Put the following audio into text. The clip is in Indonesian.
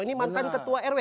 ini mantan ketua rw